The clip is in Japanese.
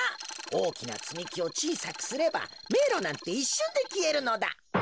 おおきなつみきをちいさくすればめいろなんていっしゅんできえるのだ。